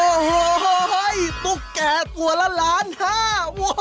โอ้โหตุ๊กแก่ตัวละล้านห้า